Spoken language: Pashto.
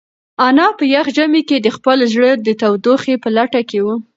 انا په یخ ژمي کې د خپل زړه د تودوخې په لټه کې وه.